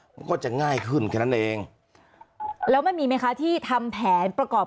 มันก็จะง่ายขึ้นแค่นั้นเองแล้วมันมีไหมคะที่ทำแผนประกอบ